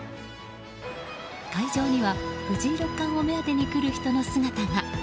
会場には藤井六冠を目当てに来る人の姿が。